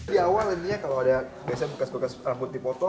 di awal nantinya kalau ada